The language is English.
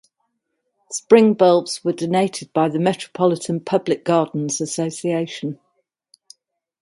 Spring bulbs were donated by the Metropolitan Public Gardens Association.